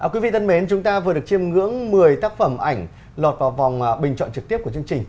quý vị thân mến chúng ta vừa được chiêm ngưỡng một mươi tác phẩm ảnh lọt vào vòng bình chọn trực tiếp của chương trình